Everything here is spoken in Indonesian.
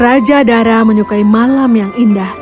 raja dara menyukai malam yang indah